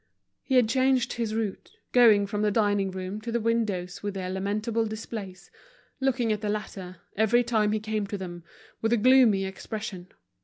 He had changed his route, going from the dining room to the windows with their lamentable displays, looking at the latter, every time he came to them, with a gloomy expression.